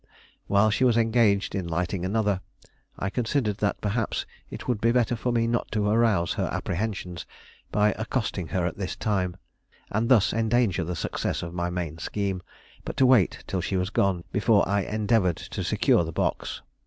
While she was engaged in lighting another, I considered that perhaps it would be better for me not to arouse her apprehensions by accosting her at this time, and thus endanger the success of my main scheme; but to wait till she was gone, before I endeavored to secure the box.